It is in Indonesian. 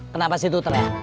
kenapa situ tereyak